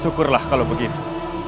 syukurlah kalau begitu